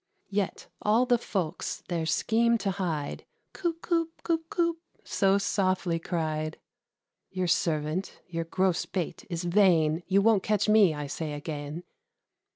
Yet all the folks, their scheme to hide, "Coop, coop, coop, coop," so softly cried. "Your servant; your gross bait is vain; You won't catch me, I say again."